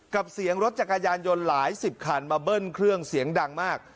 เสียงรถจักรยานยนต์หลายสิบคันมาเบิ้ลเครื่องเสียงดังมาก